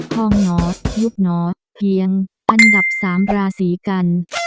ห้องนอนยุคหนอดเพียงอันดับ๓ราศีกัน